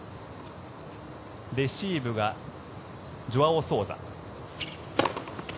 レシーブがジョアオ・ソウザ。